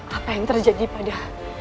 apa yang terjadi pada